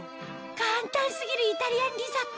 簡単過ぎるイタリアンリゾット